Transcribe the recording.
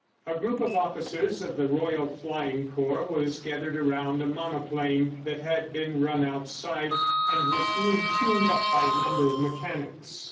A group of officers of the Royal Flying Corps was gathered around a monoplane that had been run outside, and was being tuned up by a number of mechanics.